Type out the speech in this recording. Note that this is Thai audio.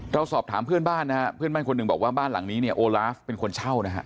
สอบถามเพื่อนบ้านนะฮะเพื่อนบ้านคนหนึ่งบอกว่าบ้านหลังนี้เนี่ยโอลาฟเป็นคนเช่านะฮะ